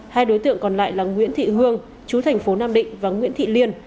hai đối tượng còn lại là nguyễn thị hương chú thành phố nam định và nguyễn thị liên